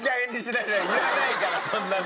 いらないからそんなの。